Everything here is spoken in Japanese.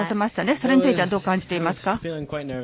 それについてはどう感じていますか？